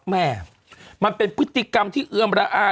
แม่มันเป็นพฤติกรรมที่เอื้อมร่าอาฬ